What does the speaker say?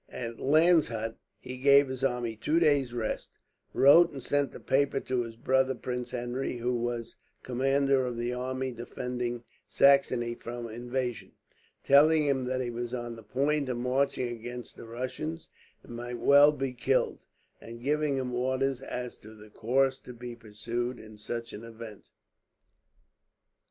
At Landshut he gave his army two days' rest; wrote and sent a paper to his brother Prince Henry, who was commander of the army defending Saxony from invasion, telling him that he was on the point of marching against the Russians and might well be killed; and giving him orders as to the course to be pursued, in such an event.